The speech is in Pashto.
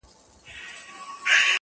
د تل لپاره.